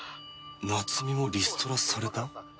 夏美もリストラされた？